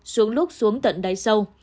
xuống lúc xuống tận đáy sâu